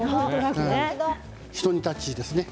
ひと煮立ちですね。